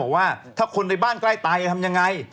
ว่าถ้าคนในบ้านใกล้ตายจะทำยังไง